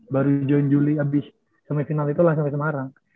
baru join juli abis semifinal itu langsung ke semarang